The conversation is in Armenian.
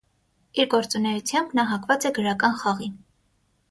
Իր գործունեությամբ նա հակված է գրական խաղի։